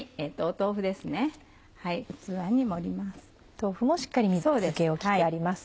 豆腐もしっかり水気を切ってあります。